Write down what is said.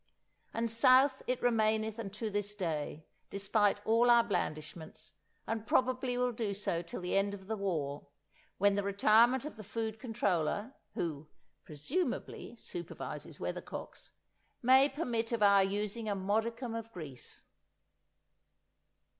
And south it remaineth unto this day, despite all our blandishments, and probably will do so till the end of the War, when the retirement of the Food Controller—who, presumably, supervises weathercocks—may permit of our using a modicum of grease.